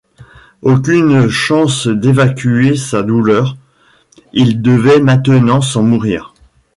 Aucune chance d'évacuer sa douleur; il devait maintenant s'en nourrir.